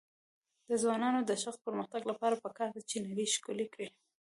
د ځوانانو د شخصي پرمختګ لپاره پکار ده چې نړۍ ښکلی کړي.